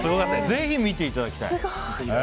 ぜひ見ていただきたい。